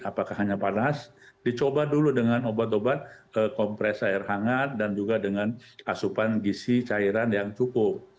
apakah hanya panas dicoba dulu dengan obat obat kompres air hangat dan juga dengan asupan gisi cairan yang cukup